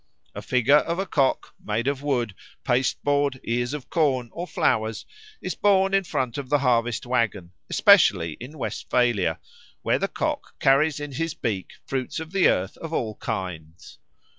A figure of a cock, made of wood, pasteboard, ears of corn, or flowers, is borne in front of the harvest waggon, especially in Westphalia, where the cock carries in his beak fruits of the earth of all kinds.